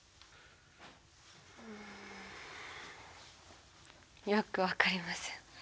うんよく分かりません。